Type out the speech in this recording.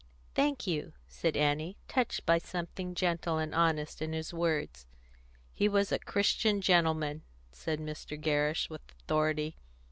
"Thank you," said Annie, touched by something gentle and honest in his words. "He was a Christian gentleman," said Mr. Gerrish with authority.